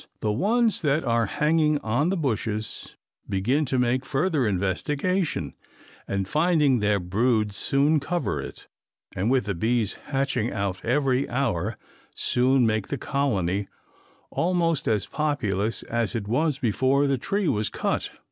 The ones that are hanging on the bushes begin to make further investigation and finding their brood soon cover it and with the bees hatching out every hour soon make the colony almost as populous as it was before the tree was cut.